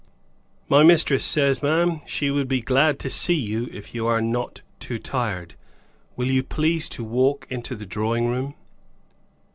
"My mistress says, ma'am, she would be glad to see you, if you are not too tired. Will you please to walk into the drawing room?"